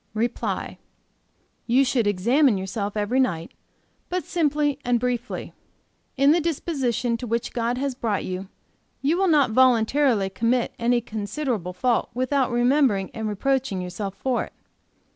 "REPLY. You should examine yourself every night, but simply and briefly. In the disposition to which God has brought you, you will not voluntarily commit any considerable fault without remembering and reproaching yourself for it.